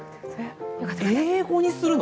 英語にするの？